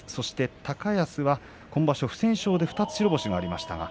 高安は今場所、不戦勝で２つ白星が出ました。